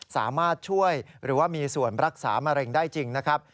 สามารถช่วยหรือว่ามีส่วนรักษามะเร็งได้จริงนะครับ